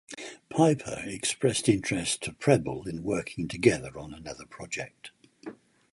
Piper expressed interest to Prebble in working together on another project.